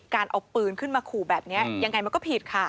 การเอาปืนขึ้นมาขู่แบบนี้ยังไงมันก็ผิดค่ะ